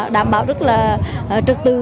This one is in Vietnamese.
đảm bảo rất là trực tự